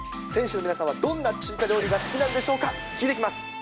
選手の皆さんはどんな中華料理が好きなんでしょうか、聞いていきます。